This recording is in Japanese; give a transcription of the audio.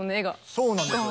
そうなんですよ。